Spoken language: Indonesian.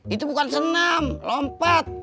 itu bukan senam lompat